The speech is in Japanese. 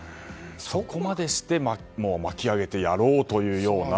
そこまでして巻き上げてやろうというような。